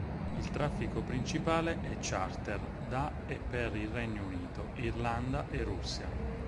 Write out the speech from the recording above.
Il traffico principale è charter da e per il Regno Unito, Irlanda e Russia.